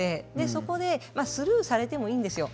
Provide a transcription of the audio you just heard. そこでスルーされてもいいんですよ。